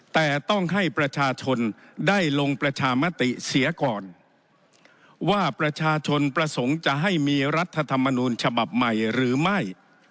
แต่ต้องให้ประชาชนได้ลงประชามติเสียก่อนว่าประชาชนประสงค์จะให้มีรัฐธรรมนูญฉบับใหม่หรือไม่